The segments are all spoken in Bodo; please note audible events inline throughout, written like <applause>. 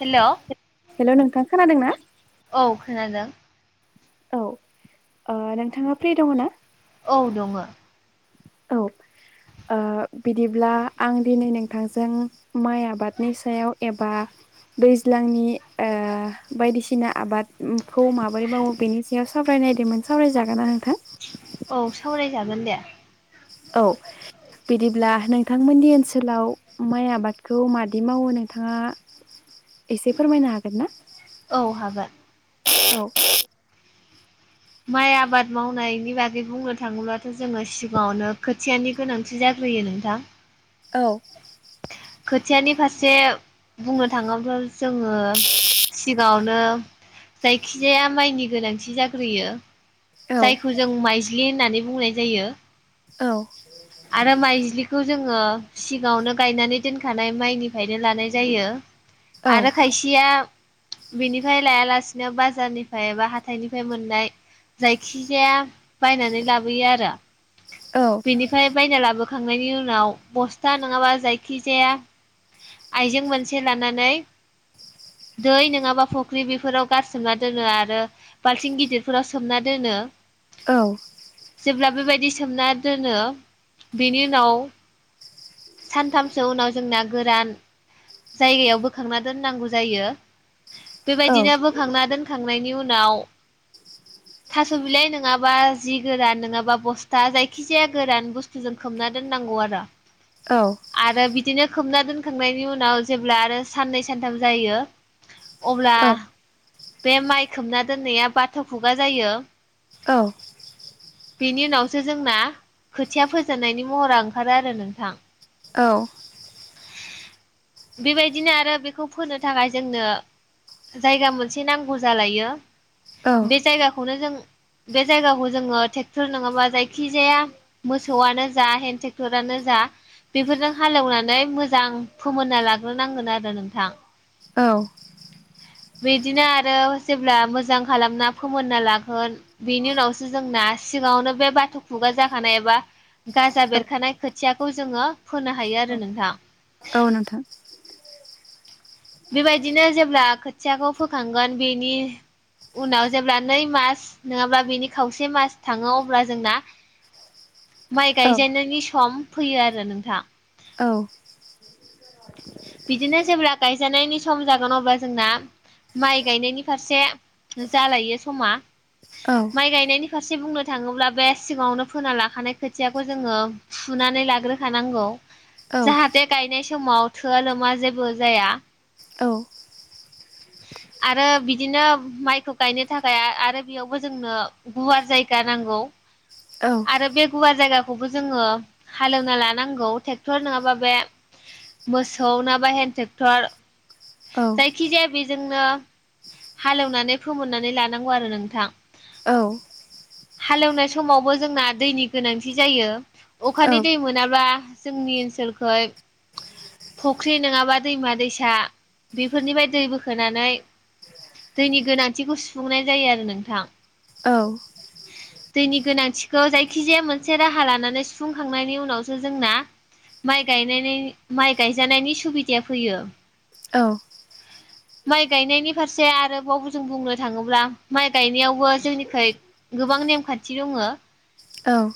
हेल' हेल' नोंथां, खोनादों ना? औ खोनादों औ ओ नोंथाङा फ्रि दङ ना? औ दङ औ ओ बिदिब्ला आं दिनै नोंथांजों माइ आबादनि सायाव एबा दैज्लांनि ओ बायदिसिना आबादखौ माबोरै मावो बेनि सायाव सावरायनायदोंमोन सावराय जागोनना नोंथां? औ सावरायजागोन दे। औ बिदिब्ला नोंथांमोननि ओनसोलाव माइ आबादखौ मादि मावो नोंथाङा एसे फोरमायनो हागोन ना? औ हागोन <inaudible> औ माइ आबाद मावनायनि बागै बुंनो थाङोब्लाथ' जोङो सिगाङावनो खोथियानि गोनांथि जाग्रोयो नोंथां। औ खोथियानि फारसे बुंनो थाङोब्ला जोङो सिगाङावनो जायखिजाया माइनि गोनांथि जाग्रोयो। औ जायखौ जों माइ दुब्लि होननानै बुंनाय जायो। औ आरो माइज्लि बे खौ जोङो सिगावनो गायनानै दोनखानाय माइनिफ्रायनो लानाय जायो। औ आरो खायसेया बेनिफ्राय लायालासिनो बाजारनिफ्राय एबा हाथाइनिफ्राय मोननाय जायखिजाया बायनानै लाबोयो आरो। औ बेनिफ्राय बायना लाबो खांनायनि उनाव बस्था नङाबा जायखिजाया आइजें मोनसे लानानै दै नङाबा फुख्रि बेफोराव गारसोमना दोनो आरो बाल्थिं गिदिरफोराव सोमना दोनो। औ जेब्ला बेबा दि सोमना दोनो बेनि उनाव सानथामसो उनाव जोंना गोरान जायगायाव बोखांना दोननांगौ जायो। औ बेबायदिनो औ बोखांना दोन खांनायनि उनाव थास' बिलाइ नङाबा जि गोरान नङाबा बस्था जायखि जाया गोरान बुस्थुजों खोबना दोननांगौ आरो। आरो बि दिनो खोबना दोनखांनायनि उनाव जेब्ला आरो साननै सानथाम जायो अब्ला बे माइ खोमना दोननाया बाथ' खुगा जायो। औ बेनि उनावसो जोंना खोथिया फोजेननायनि महरा ओंखारो आरो नोंथां। औ बेबायदिनो आरो बेखौ फोनो थाखाय जोंनो जायगा मोनसे नांगौ जालायो। औ बे जायगाखौनो जों बे जायगाखौ जोङो टे क्टर नङाबा जायखिजाया मोसौआनो जा हेन्द टेक्टरानो जा बेफोरजों हालेवनानै मोजां फोमोनना लाग्रोनांगोन आरो नोंथां। औ बिदिनो आरो जेब्ला मोजां खालामना फोमोनना लागोन बेनि उनावसो जोंना सिगावनो बे बाथ' खुगा जाखानाय एबा गाजा बेरखानाय खोथियाखौ जोङो फोनो हायो आरो नोंथां। औ नोंथां। बेबायदिनो जेब्ला खोथियाखौ फोखांगोन बेनि उनाव जेब्ला नै मास नङाब्ला बेनि खावसे मास थाङो अब्ला जोंना माइ औ गायजेननायनि सम फैयो आरो नोंथां। औ बिदिनो जेब्ला गायजानायनि सम जागोन अब्ला जोंना माइ गायनायनि फारसे जालायो समा औ माइ गायनायनि फारसे बुंनो थाङोब्ला बे सिगाङावनो फोना लाखानाय खोथियाखौ जोङो फुनानै लाग्रोखानांगौ औ जाहाथे गायनाय समाव थोआ लोमा जेबो जाया। औ। आरो बिदिनो माइखौ गायनो थाखाय आरो बेयावबो जोंनो गुवार जायगा नांगौ‌ औ आरो बेगुवा जायगा खौबो जोङो हालेवना लानांगौ ट्रेक्टर नङाबा बे मोसौ नङाबा हेन्द ट्रेक्टर औ जायखिजाया बे जोंनो हालेवनानै फोमोननानै लानांगौ आरो नोंथां। औ। हालेवनाय समावबो जोंना दैनि गोनांथि जायो। अखानि दै मोनाबा जोंनि ओनसोलखौ फुख्रि नङाबा दैमा दैसा बेफोरनिफ्राय दै बोखोनानै दैनि गोनांथिखौ सुफुंनाय जायो आरो नोंथां। औ। दैनि गोनांथिखौ जायखिजाया मोनसे राहा लानानै सुफुंखांनायनि उनावसो जोंना माइ गायनायनि माइ गायजानायनि सुबिदाया फैयो। औ। माइ गायनायनि फारसे आरोबावबो जों बुंनो थाङोब्ला माइ गायनायावबो जोंनिख गोबां नेमखान्थि दङ। औ।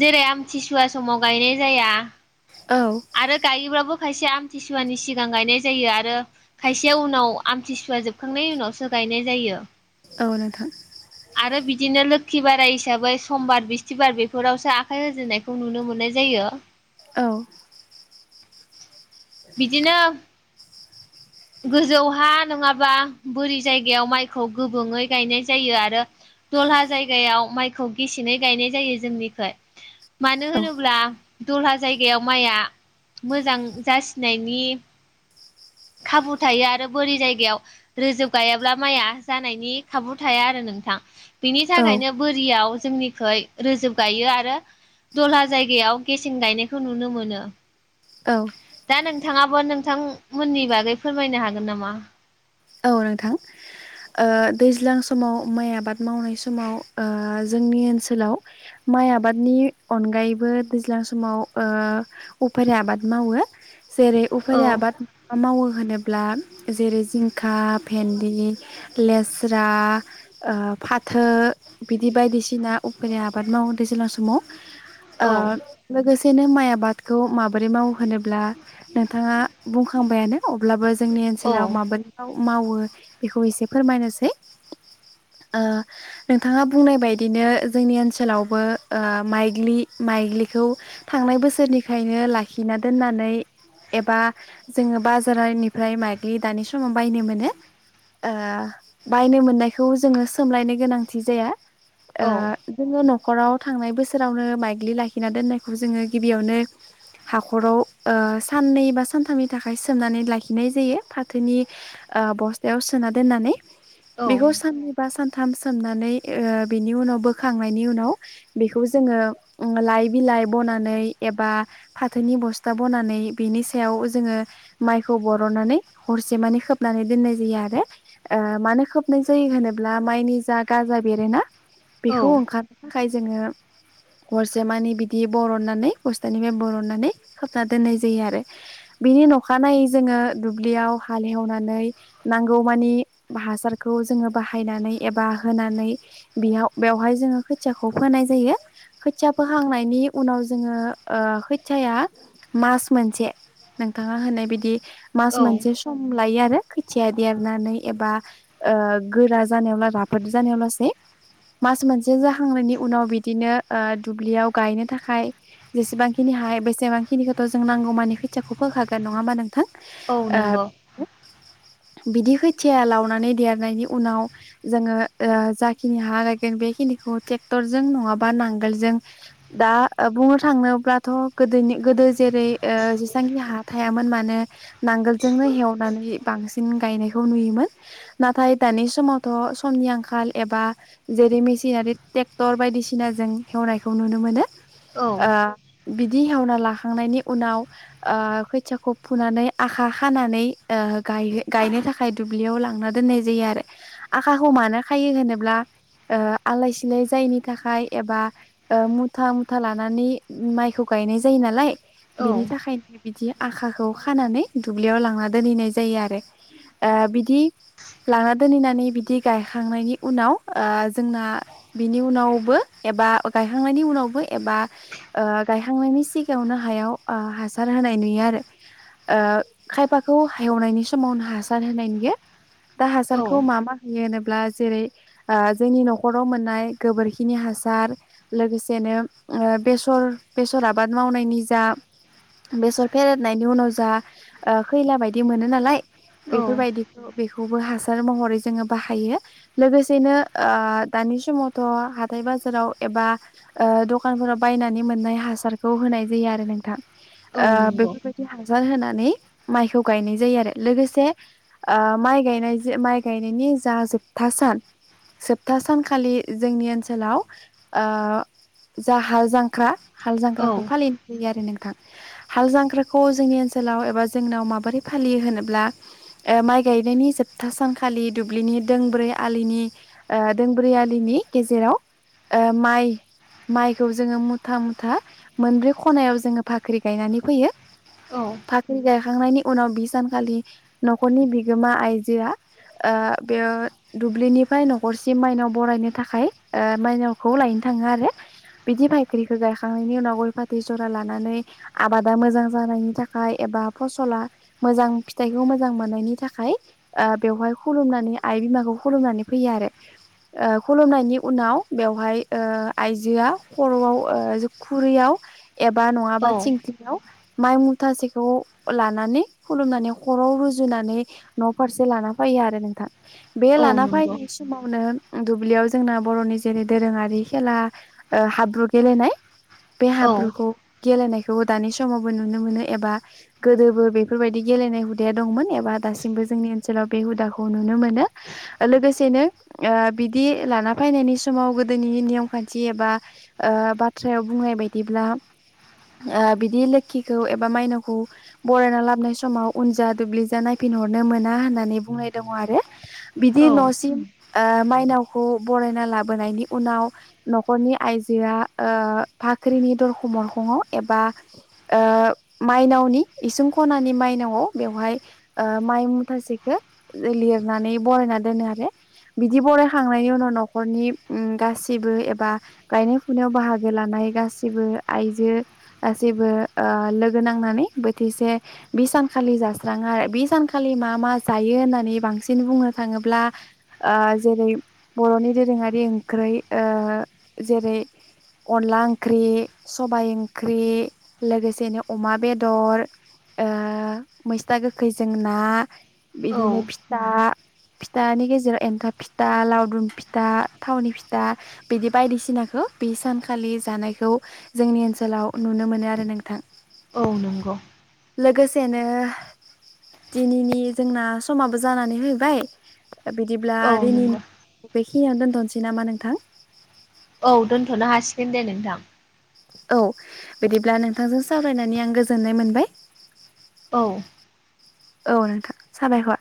जेरै आमथिसुवा समाव गायनाय जाया। औ आरो गायोबाबो खायसे आमथिसुवानि सिगां गायनाय जायो आरो खायसे जे उनाव आमथिसुवा जोबखांनायनि उनावसो गायनाय जायो। औ नोंथां। आरो बिदिनो लोखि बाराय हिसाबै समबार बिस्थिबार बेफोरावसो आखाइ होजेननायखौ नुनो मोननाय जायो। औ बिदिनो गोजौहा नङाबा बोरि जायगायाव माइखौ गोबङै गायनाय जायो आरो दला जायगायाव माइखौ गेसेङै गायनाय जायो जोंनिखै मानो होनोब्ला दला जायगायाव माइआ मोजां जासिनायनि खाबु थायो आरो बोरि जायगायाव रोजोब गायाब्ला माइया जानायनि खाबु थाया आरो नोंथां। बिनि थाखायनो बोरियाव जोंनिखोइ रोजोब गायो आरो दला जायगायाव गेसें गायनायखौ नुनो मोनो। दा नोंथाङा। मा नोंथांमोननि बागै फोरमायनो हागोन नामा। औ नोंथां ओ दैज्लां समाव माइ आबाद मावनाय समाव ओ जोंनि ओनसोलाव माइ आबादनि अनगायैबो दैज्लां समाव ओ उफेर आबाद मावो। जेरै उफारि आबाद मा मावो। मा होनोब्ला जेरै जिं सिखा भेन्दि लेस्रा ओ फाथो बिदि बायदिसिना उफेरा आबाद मावो दैज्लां समाव। ओ औ लोगोसे। बिसेनो माइ आबादखौ माबोरै मावो होनोब्ला नोंथाङा बुंखांबायानो। अब्लाबो जोंनि औ ओनसोलाव माबा मावो बेखौ एसे फोरमायनोसै ओ नोंथाङा बुंनाय बायदिनो जोंनि ओनसोलावबो ओ माइग्लि माइग्लिखौ थांनाय बोसोरनिखायनो लाखिना दोननानै एबा जोङो बाजारनिफ्राय माइग्लि दानि बायनो मोनो। ओ बायनो मोननायखौ जोङो सोमलायनो गोनांथि जाया। ओ जोङो हाख'राव थांनाय बोसोरावनो माइग्लि लाखिना दोननायखौ जोङो गिबियावनो हाख'राव ओ साननै बा सानथामनि थाखाय सोमनानै लाखिनाय जायो। फा फाथोनि बस्थायाव सोना दोननानै औ बिखौ सान बा सान थाम सोमनानै ओ बिनि उनाव बोखांनायनि उनाव बेखौ जोङो ओ लाइ बिलाइ बनानै एबा फाथोनि बस्था बनानै बिनि सायाव जोङो माइखौ बरननानै हरसे माने खोबनानै दोननाय जायो आरो ओ मानो खोबनाय जायो होनोब्ला माइनि जा गाजा बेरोना बेखौ औ ओंखार <inaudible> थाखाय जोङो हरसे मानि बिदि बरननानै बस्थानिफ्राय बरननानै खोबना दोननाय जायो आरो। बिनि अखानायनायै जोङो दुब्लियाव हालेवनानै नांगौमानि हासारखौ जोङो बाहायनानै एबा होनानै बेयाव बेवहाय जोङो खोथियाखौ फोनाय जायो खोथिया फोखांनायनि उनाव जोङो खोथियाया मास मोनसे नोंथाङा होननाय बिदि मास औ मोनसे सम लायो आरो खोथिया देरनानै एबा ओ गोरा जानायावल राफोद जानायावल'सै मास मोनसे जाखांनायनि उनाव बिदिनो ओ दुब्लियाव गायनो थाखाय जेसेबांखिनि हायो बेसेबां खिनिखौथ' जों नांगौमानि खोथियाखौ फोखागोन नङा होमबा नोंथां? औ ओ नंगौ। बिदि खोथिया लावनानै देरनायनि उनाव जोङो ओ जाखिनि हा लायगोन बेखिनिखौ ट्रेक्टरजों नङाबा नांगोलजों दा ओ बुंनो थाङोब्लाथ' गोदोनि गोदो जेरै ओ जेसेबांखि हा थायामोन मानो नांगोलजोंनो हेवनानै बांसिन गायनायखौ नुयोमोन। नाथाय दानि समावथ' समनि आंखाल एबा जेरै मेसिनारि ट्रेक्टर बायदिसिनाजों हेवनायखौ नुनो मोनो। औ ओ बिदि हेवना लाखांनायनि उनाव ओ खोथियाखौ फुनानै आखा खानानै ओ गाय गायनो थाखाय दुब्लियाव लांना दोननाय जायो आरो। आखाखौ मानो खायो होनोब्ला ओ आलाय सिलाय जायैनि थाखाय एबा ओ मुथा मुथा लानानै माइखौ गायनाय जायो नालाय बिनि औ थाखायनो बिदि आखा खौ खानानै दुब्लियाव लांना दोनहैनाय जायो आरो ओ बिदि लांना दोनहैनानै बिदि गायखांनायनि उनाव ओ जोंना बिनि उनावबो एबा गायखांनायनि उनावबो एबा ओ गायखांनायनि सिगाङावनो ओ हायाव हासार होनाय नुयो आरो ओ खायफाखौ हालेवनायनि समावनो हासार होनाय नुयो। दा हाजारखौ औ मा मा होयो होन ब्ला जेरै ओ जोंनि न'खराव मोननाय गोबोरखिनि हासार लोगोसेनो ओ बेसर बेसर आबाद मावनायनि जा बेसर फेरेत होननायनि उनाव जा खैला बायदि मोनो नालाय औ बेफोरबायदिखौ बेखौ खौबो हासार महरै जोङो बाहायो लोगोसेनो ओ दानि समावथ' हाथाय बाजाराव एबा ओ दखानफोराव बायनानै मोननाय हासारखौ होनाय जायो आरो नोंथां। औ ओ नंगौ। बेफोरबायदि हासार होनानै माइखौ गायनाय जायो आरो लोगोसे ओ माइ गायनाय माइ गायनायनि जा जोबथा सान जोबथा सानखालि जोंनि ओनसोलाव ओ जा हाल जांख्रा हाल जांख्राखौ औ फालिनाय जायो आरो नोंथां। थां हाल जांख्राखौ खौ जोंनि ओनसोलाव एबा जोंनाव माबोरै फालियो होनोब्ला ओ माइ गायनायनि जोबथा सानखालि दुब्लिनि दोंब्रै आलिनि ओ दोंब्रै आलिनि गेजेराव ओ माइ माइखौ जोङो मुथा मुथा मोनब्रै खनायाव जोङो फाख्रि गायनानै फैयो औ फाख्रि ग <inaudible> गायखांनायनि उनाव बि सानखालि न'खरनि बिगोमा आइजोआ ओ बे दुब्लिनिफ्राय न'खरसिम माइनाव बरायनो थाखाय ओ माइनावखौ लायनो थाङो आरो बिदि फायख्रिखौ गायखांनायनि उनाव गय फाथै जरा लानानै आबादा मोजां जानायनि थाखाय एबा फसला मोजां फिथाइखौ मोजां मोननायनि थाखाय ओ बेवहाय खुलुमनानै आइ बिमाखौ खुलुमनानै फैयो आरो ओ खुलुमनायनि उनाव बेवहाय ओ आइजोआ खर'आव ओ खुरैयाव एबा औ नङाबा थिंख्लियाव माइ मुथासेखौ लानानै खुलुमनानै खर'वाव रुजुनानै न' फारसे लाना फैयो आरो नोंथां बे औ लाना नंगौ फैनाय समावनो दुब्लियाव जोंना बर'नि जेरै दोरोङारि खेला ओ हाब्रु गेलेनाय बे औ हाब्रुखौ गेलेनाय खौ दानि समाव बो नुनो मोन एबा गोदोबो बेफोरबायदि गेलेनाय हुद दंमोन एबा दासिमबो जोंनि ओनसोलाव बे हुदाखौ नुनो मोनो। लोगोसेनो ओ बिदि लाना फैनायनि समाव गोदोनि निम खान्थि एबा बाथ्रायाव बुंनाय बायदिब्ला ओ बिदि लो क्षिखौ एबा माइनावखौ बरायना लाबोन समाव उनजा दुब्लि जा नायफिनहरनो मोना होननानै बुंनाय दङ आरो औ बिदि न'सिम ओ माइनावखौ बरायना लाबोनायनि उनाव न'खरनि आइजोया ओ फाख्रिनि दरखं मोरखङाव एबा ओ मायनावनि इसिं खनानि माइनावआव बेवहाय माइ मुथासेखौ लिरनानै बरायना दोनो आरो बिदि बरायखांनायनि उनाव न'खरनि गाैबो एबा गायनाय फुनायाव बाहागो लानाय गाैबो आइजो गाैबो ओ लोगो नांनानै बोथिसे बि सानखालि जास्राङो आरो बि सानखालि मा मा जायो होननानै बांसिन बुंनो थाङोब्ला ओ जेरै बर'नि दोरोङारि ओंख्रै ओ जेरै अनला ओंख्रि सबाइ ओंख्रि लोगोसेनो अमा बेदर ओ मैसथा गोखैजों ना बिदिनो औ फिथा फिथानि गेजेराव एन्थाब फिथा लावदुम फिथा थावनि फिथा बिदि बायदिसिनाखौ बे सानखालि जानायखौ जोंनि ओनसोलाव नुनो मोनो आरो नोंथां औ नंगौ लोगोसेनो दिनैनि जोंना समाबो जानानै होबाय दा बिदिब्ला औ नंगौ दिनैनि <unintelligible> खिनियावनो दोनथ'नोसै नामा नोंथां दोनदो नोंथां औ बिदिब्ला नोंथांजों सावरायनानै आं गोजोननाय मोनबाय औ औ नोंथां साबायखर